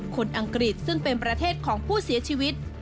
อังกฤษซึ่งเป็นประเทศของผู้เสียชีวิต